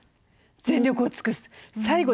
全力を尽くす」。